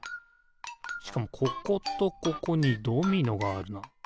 しかもこことここにドミノがあるな。